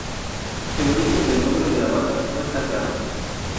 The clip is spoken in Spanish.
El origen del nombre de la banda no está claro.